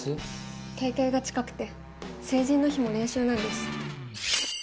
大会が近くて成人の日も練習なんです。